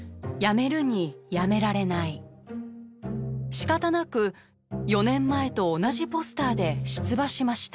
仕方なく４年前と同じポスターで出馬しました。